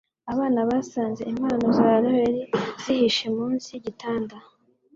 Abana basanze impano za Noheri zihishe munsi yigitanda